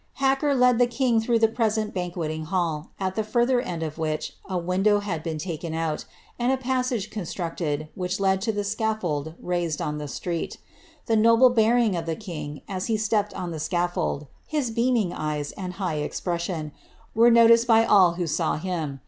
Hacker led the king through the present banqueting hall, at the fur ther end of which a window had been taken out, and a passage con structed, which led to the scaflbld raised in the street. The noble bear ing of the king, as he stepped on the scatfold, his beaming eyes, and high expression, were noticed by all who saw him.